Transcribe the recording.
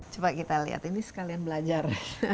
coba kita lihat ini sekalian belajar